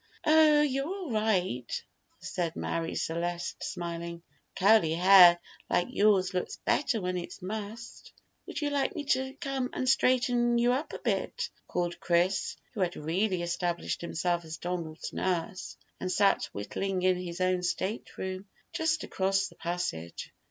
"Oh, you're all right," said Marie Celeste, smiling; "curly hair like yours looks better when it's mussed." "Would you like me to come and straighten you up a bit?" called Chris, who had really established himself as Donald's nurse, and sat whittling in his own state room just across the passage.